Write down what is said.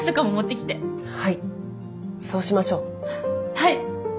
はい。